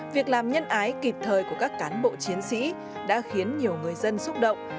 việc làm nhân ái kịp thời của các cán bộ chiến sĩ đã khiến nhiều người dân xúc động